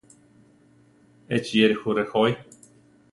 Échi yéri jú rejoí.